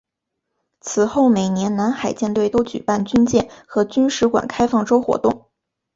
此后每年南海舰队都举办军舰和军史馆开放周活动。